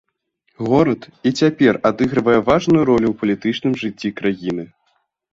Горад і цяпер адыгрывае важную ролю ў палітычным жыцці краіны.